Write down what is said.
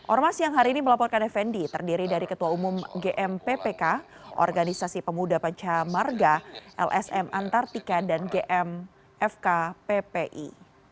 ormas yang hari ini melaporkan fnd terdiri dari ketua umum gmpppk organisasi pemuda pancamarga lsm antartika dan gm fkppi